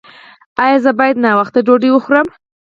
ایا زه باید ناوخته ډوډۍ وخورم؟